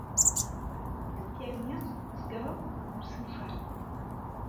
Amek armi tt-tegreḍ deg usenfaṛ-a?